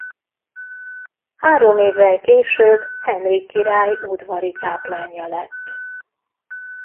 Három évvel később Henrik király udvari káplánja lett.